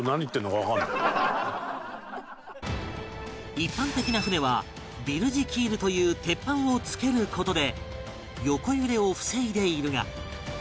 一般的な船はビルジキールという鉄板を着ける事で横揺れを防いでいるが